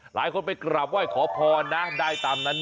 หลายคนไปกราบไหว้ขอพรนะได้ตามนั้น